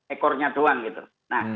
ekornya doang gitu nah